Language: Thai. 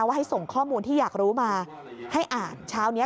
ให้ส่งข้อมูลที่อยากรู้มาให้อ่านเช้านี้